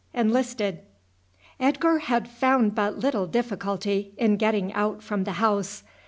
ENLISTED. Edgar had found but little difficulty in getting out from the house.